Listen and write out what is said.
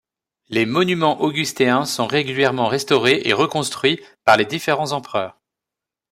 Les monuments augustéens sont régulièrement restaurés et reconstruits par les différents empereurs.